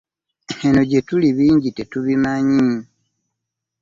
Eno gye tuli bingi tetubimanyi